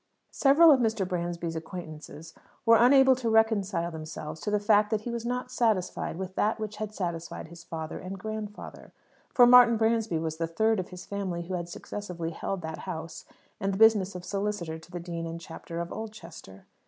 Several of Mr. Bransby's acquaintances were unable to reconcile themselves to the fact that he was not satisfied with that which had satisfied his father and grandfather (for Martin Bransby was the third of his family who had successively held that house and the business of solicitor to the Dean and Chapter of Oldchester).